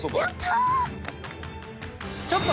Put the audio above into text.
ちょっと！